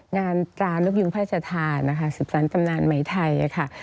งานตรานกยุงพระราชทานสืบสารตำนานไหมไทย